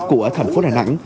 của thành phố đà nẵng